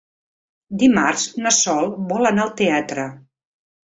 Dimarts na Sol vol anar al teatre.